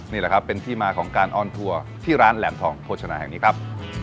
นี่แหละครับเป็นที่มาของการออนทัวร์ที่ร้านแหลมทองโภชนาแห่งนี้ครับ